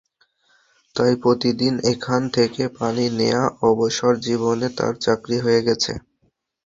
তাই প্রতিদিন এখান থেকে পানি নেওয়া অবসরজীবনে তাঁর চাকরি হয়ে গেছে।